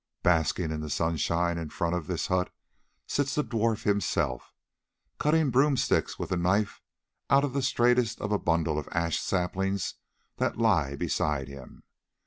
Basking in the sunshine in front of this hut sits the dwarf himself, cutting broom sticks with a knife out of the straightest of a bundle of ash saplings that lie beside him.